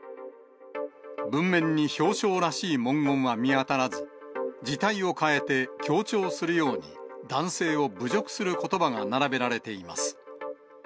文面に表彰らしい文言は見当たらず、字体を変えて強調するように、男性を侮辱することばが並べられています。